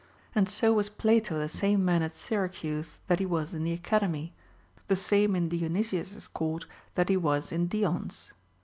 And so was Plato the same man at Syracuse that he was in the Academy, the same in Dionysius's court that he was in Dions.